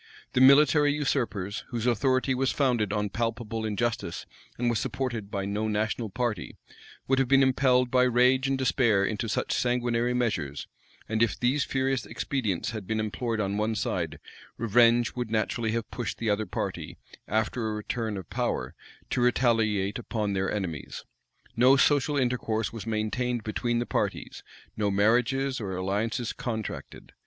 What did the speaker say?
The military usurpers, whose authority was founded on palpable injustice, and was supported by no national party, would have been impelled by rage and despair into such sanguinary measures; and if these furious expedients had been employed on one side, revenge would naturally have pushed the other party, after a return of power, to retaliate upon their enemies. No social intercourse was maintained between the parties; no marriages or alliances contracted.